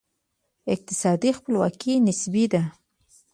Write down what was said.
اقتصادي خپلواکي نسبي ده.